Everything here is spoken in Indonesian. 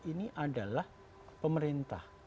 ini adalah pemerintah